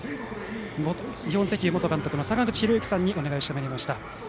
日本石油元監督の坂口裕之さんにお願いをしてきました。